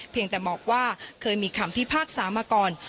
แต่บอกว่าเคยมีคำพิพากษามาก่อน